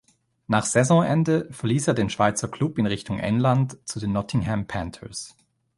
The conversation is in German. Nach Saisonende verließ er den Schweizer Club in Richtung England zu den Nottingham Panthers.